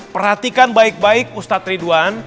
perhatikan baik baik ustadz ridwan